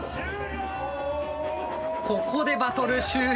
ここでバトル終了。